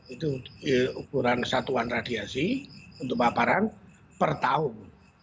itu ukuran satuan radiasi untuk paparan per tahun